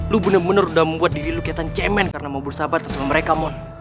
lu bener bener udah membuat diri lu keliatan cemen karena mau bersahabatan sama mereka mon